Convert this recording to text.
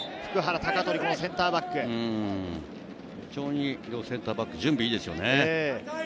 非常に両センターバック、準備がいいですね。